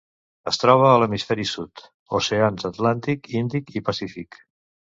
Es troba a l'hemisferi sud: oceans Atlàntic, Índic i Pacífic.